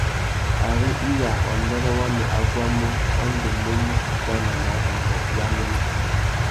Ari iya wa mbêrê wamê a guamú, wa ndú mú mù titana nà adôngô ya anêmê.